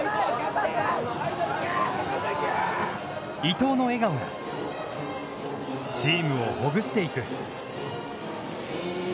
伊藤の笑顔がチームをほぐしていく。